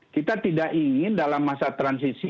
kita tidak ingin dalam masa transisi